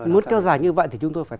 muốn kéo dài như vậy thì chúng tôi phải